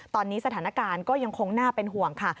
ตอนนี้สถานการณ์ก็ยังคงน่าเป็นห่วงค่ะ